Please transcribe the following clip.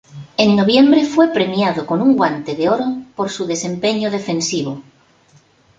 En noviembre fue premiado con un Guante de Oro por su desempeño defensivo.